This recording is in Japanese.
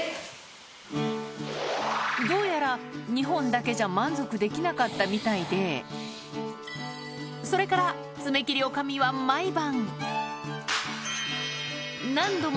どうやら、２本だけじゃ満足できなかったみたいで、それから爪切り女将は毎晩。